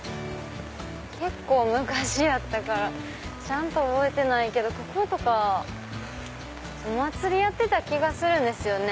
結構昔やったからちゃんと覚えてないけどこことかお祭りやってた気がするんですよね。